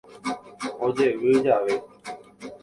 Ojevy jave.